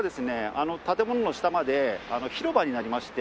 あの建物の下まで広場になりまして。